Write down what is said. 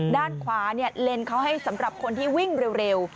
ด้านขวาเลนเขาให้สำหรับคนที่วิ่งเร็ว